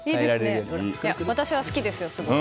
私は好きですよ、すごく。